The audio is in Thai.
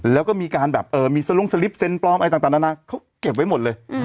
แล้วก็มีการแบบมีสลงสลิปเซ็นปลอมอะไรต่างนานาเขาเก็บไว้หมดเลย